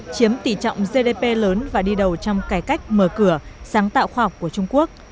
chiếm tỷ trọng gdp lớn và đi đầu trong cải cách mở cửa sáng tạo khoa học của trung quốc